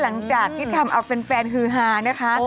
หลังจากที่ทำเอาแฟนฮือฮานะคะ